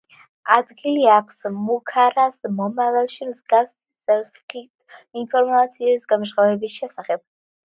ადგილი აქვს მუქარას მომავალში მსგავსი სახით ინფორმაციის გამჟღავნების შესახებ.